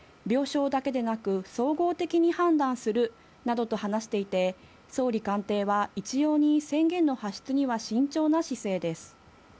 病床だけでなく、総合的に判断するなどと話していて、総理官邸は、一様に宣言の発出には慎重な姿勢です。